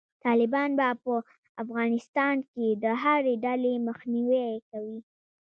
طالبان به په افغانستان کې د هري ډلې مخنیوی کوي.